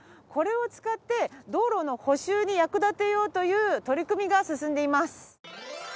これを使って道路の補修に役立てようという取り組みが進んでいます。